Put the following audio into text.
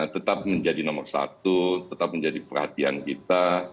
tetap menjadi nomor satu tetap menjadi perhatian kita